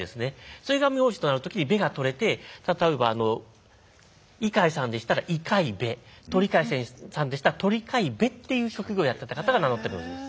それが名字となる時に部が取れて例えば猪飼さんでしたら猪飼部鳥飼さんでしたら鳥飼部っていう職業をやってた方が名乗ってるんです。